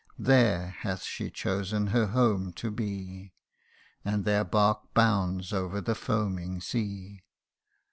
139 There hath she chosen her home to be : And their bark bounds over the foaming sea.